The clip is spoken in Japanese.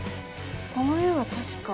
この絵は確か。